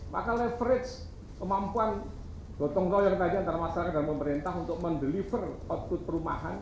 maka leverage kemampuan gotong royong tadi antara masyarakat dan pemerintah untuk mendeliver output perumahan